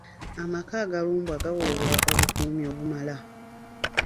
Amaka agaalumbwa gaaweebwa obukuumi obumala.